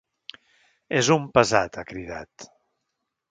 És un pesat, ha cridat.